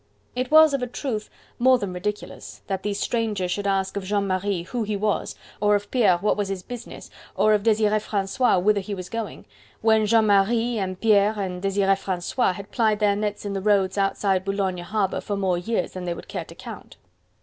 It was, of a truth, more than ridiculous, that these strangers should ask of Jean Marie who he was, or of Pierre what was his business, or of Desire Francois whither he was going, when Jean Marie and Pierre and Desire Francois had plied their nets in the roads outside Boulogne harbour for more years than they would care to count.